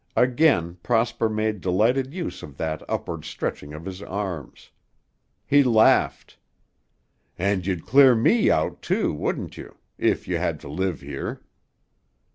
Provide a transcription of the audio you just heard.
Again Prosper made delighted use of that upward stretching of his arms. He laughed. "And you'd clear me out, too, wouldn't you? if you had to live here."